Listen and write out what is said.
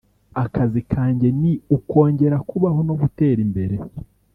akazi kanjye ni ukongera kubaho no gutera imbere […